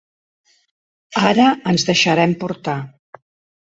Ara ens deixarem portar.